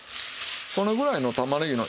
このぐらいの玉ねぎの。